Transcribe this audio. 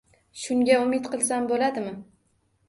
Shunga umid qilsam bo‘ladi.